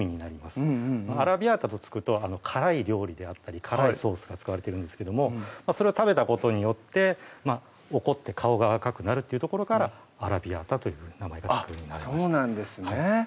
うんうんうんアラビアータと付くと辛い料理であったり辛いソースが使われてるんですけどもそれを食べたことによって怒って顔が赤くなるというところからアラビアータという名前が付くようになりましたそうなんですね